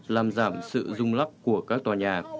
làm giảm sự rung lắp của các tòa nhà